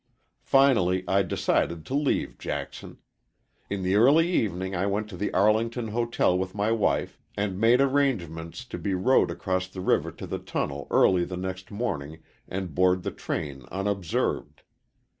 "Finally, I decided to leave Jackson. In the early evening I went to the Arlington Hotel with my wife and made arrangements to be rowed across the river to the tunnel early the next morning and board the train unobserved.